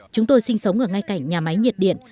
chúng tôi sinh sống ở ngay cạnh nhà máy nhiệt điện